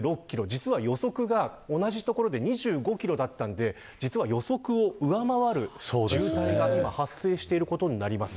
実は予測が同じ所で２５キロだったので実は予測を上回る渋滞が発生していることになります。